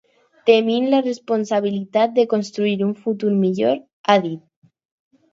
Tenim la responsabilitat de construir un futur millor, ha dit.